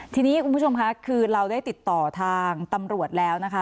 ทีนี้คุณผู้ชมค่ะคือเราได้ติดต่อทางตำรวจแล้วนะคะ